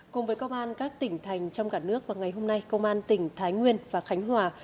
cùng với công an các tỉnh thành trong cả nước vào ngày hôm nay công an tỉnh thái nguyên và khánh hòa